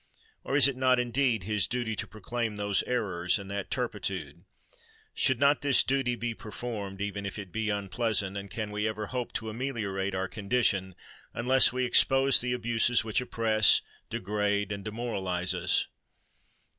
or is it not indeed his duty to proclaim those errors and that turpitude? Should not this duty be performed, even if it be unpleasant? and can we ever hope to ameliorate our condition, unless we expose the abuses which oppress, degrade, and demoralise us?